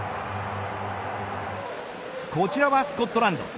こちらはスコットランド。